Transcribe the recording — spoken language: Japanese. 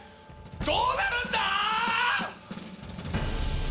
どうなるんだ？